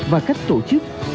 và cách tổ chức